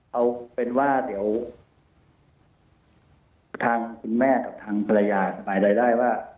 เอาเป็นว่าเดี๋ยวทางคุณแม่กับทางภรรยาสบายรายได้ว่า